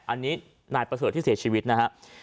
อันนี้นายประเสริฐที่เสียชีวิตนะฮะ